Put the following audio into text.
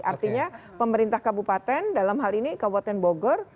artinya pemerintah kabupaten dalam hal ini kabupaten bogor